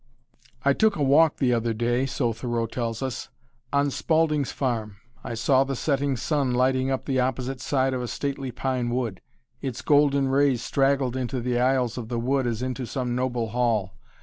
"I took a walk the other day," so Thoreau tells us, "on Spaulding's farm. I saw the setting sun lighting up the opposite side of a stately pine wood. Its golden rays straggled into the aisles of the wood as into some noble hall.